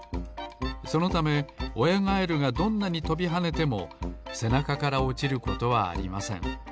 そのためおやガエルがどんなにとびはねてもせなかからおちることはありません。